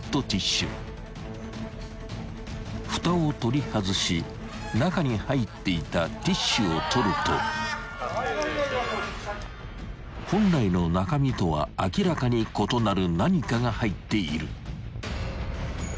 ［ふたを取り外し中に入っていたティッシュを取ると本来の中身とは明らかに異なる何かが入っている］